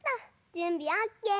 じゅんびオッケー！